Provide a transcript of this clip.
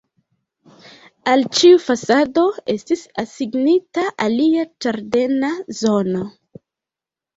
Al ĉiu fasado estis asignita alia ĝardena zono.